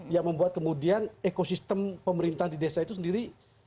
yang membuat kemudian ekosistem pemerintahan di desa itu sendiri